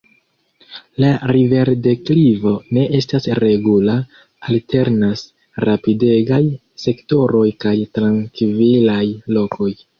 La riverdeklivo ne estas regula – alternas rapidegaj sektoroj kaj trankvilaj lokoj.